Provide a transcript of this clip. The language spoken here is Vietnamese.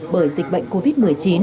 bởi dịch bệnh covid một mươi chín